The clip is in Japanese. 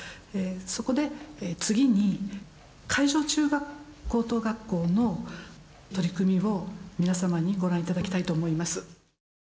そこで次に海城中学高等学校の取り組みを皆様にご覧頂きたいと思います。